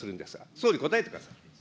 総理、答えてください。